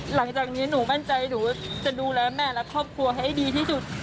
หลังจากนี้หนูมั่นใจหนูจะดูแลแม่และครอบครัวให้ดีที่สุด